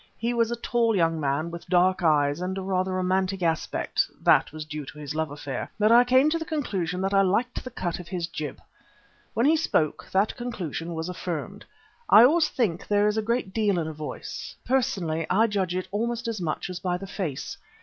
He was a tall young man with dark eyes and a rather romantic aspect (that was due to his love affair), but I came to the conclusion that I liked the cut of his jib. When he spoke, that conclusion was affirmed. I always think there is a great deal in a voice; personally, I judge by it almost as much as by the face.